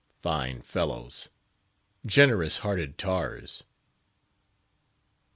Fine fellows! generous hearted tars!